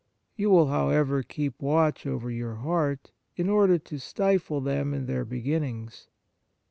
You will, however, keep watch over your heart, in order to stifle them in their beginnings.